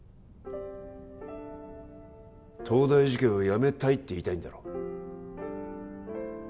東大受験をやめたいって言いたいんだろ？